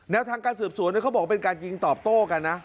แล้วทางการสืบสวนเขาบอกเป็นการยิงต่อโต้กันนะ